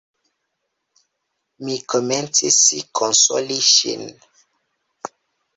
Mi komencis konsoli ŝin.